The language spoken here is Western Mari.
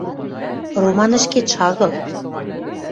— Роман ӹшкетшӹ агыл...